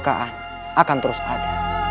keangkaramurkaan akan terus ada